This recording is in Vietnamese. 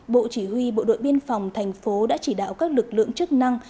bộ chỉ huy bộ đội biên phòng thành phố đã chỉ đạo các lực lượng chức năng